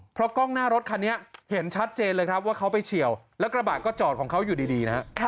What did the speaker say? เพราะกล้องหน้ารถคันนี้เห็นชัดเจนเลยครับว่าเขาไปเฉียวแล้วกระบะก็จอดของเขาอยู่ดีนะฮะ